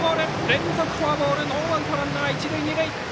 連続フォアボールノーアウトランナー、一塁二塁。